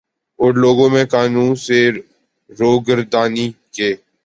اور لوگوں میں قانون سے روگردانی کے